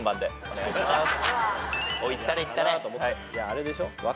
あれでしょ？